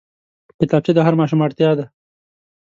کتابچه د هر ماشوم اړتيا ده